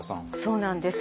そうなんです。